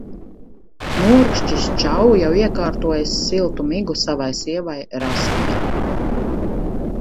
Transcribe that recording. Murkšķis Čau jau iekārtojis siltu migu savai sievai Rasmai.